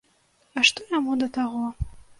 А што яму да таго!